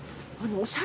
おしゃれ。